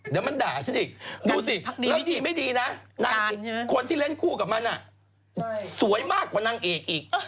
เดี๋ยวมันด่าฉันอีกดูสิแล้วดีไม่ดีนะคนที่เล่นคู่กับมันสวยมากกว่านางเอกอีก